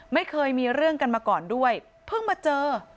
ไม่เคยมีเรื่องกันมาก่อนด้วยเพิ่งมาเจอ